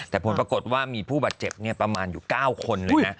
แต่ผลปรากฏว่ามีผู้บาดเจ็บประมาณอยู่๙คนเลยนะ